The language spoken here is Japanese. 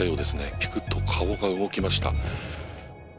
ピクッと顔が動きました。